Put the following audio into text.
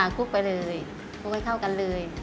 ค่ะคุกไปเลยคุกไปเข้ากันเลย